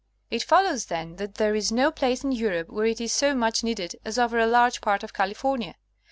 It follows, then, that there is no place in Europe where it is so much needed as over a large part of California.